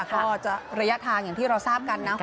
ก็จะระยะทางอย่างที่เราทราบกันนะ